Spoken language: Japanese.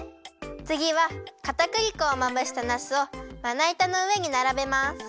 つぎはかたくり粉をまぶしたなすをまないたのうえにならべます。